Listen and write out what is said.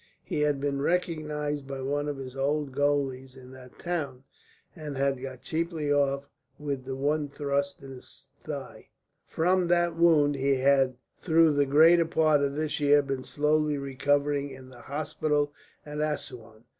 He had been recognised by one of his old gaolers in that town, and had got cheaply off with the one thrust in his thigh. From that wound he had through the greater part of this year been slowly recovering in the hospital at Assouan.